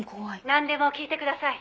「なんでも聞いてください。